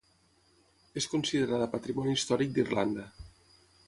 És considerada patrimoni històric d'Irlanda.